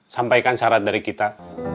sampaikan syarat dari kita